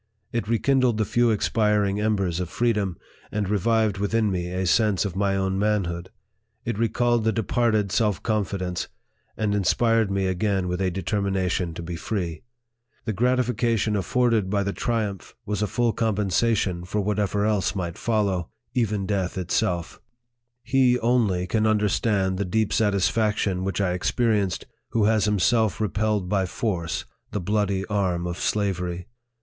It rekindled the few expiring embers of freedom, and revived within me a sense of my own manhood. It recalled the departed self con fidence, and inspired me again with a determination to be free. The gratification afforded by the triumph LIFE OF FREDERICK DOUGLASS. 73 was a full compensation for whatever else might fol low, even death itself. He only can understand the deep satisfaction which I experienced, who has himself repelled by force the bloody arm of slavery.